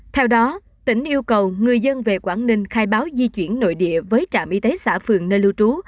theo đó tỉnh yêu cầu người dân về quảng ninh khai báo di chuyển nội địa với trạm y tế xã phường nơi lưu trú